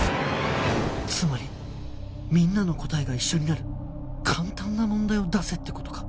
つまりみんなの答えが一緒になる簡単な問題を出せって事か